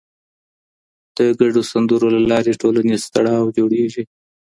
د ګډو سندرو له لارې ټولنیز تړاو جوړېږي.